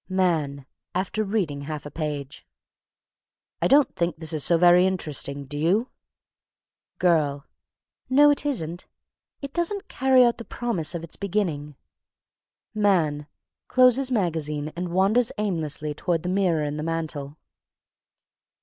MAN. (After reading half a page.) "I don't think this is so very interesting, do you?" GIRL. "No, it isn't. It doesn't carry out the promise of its beginning." MAN. (_Closes magazine and wanders aimlessly toward the mirror in the mantel.